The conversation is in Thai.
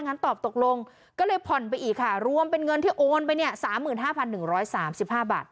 งั้นตอบตกลงก็เลยผ่อนไปอีกค่ะรวมเป็นเงินที่โอนไปเนี่ย๓๕๑๓๕บาท